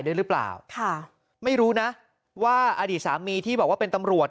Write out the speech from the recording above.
ด้วยหรือเปล่าค่ะไม่รู้นะว่าอดีตสามีที่บอกว่าเป็นตำรวจ